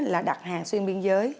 là đặt hàng xuyên biên giới